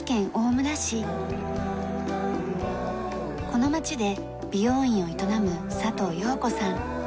この町で美容院を営む佐藤陽子さん。